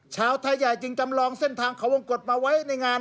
ชาวไทยใหญ่จึงจำลองเส้นทางเขาวงกฎมาไว้ในงาน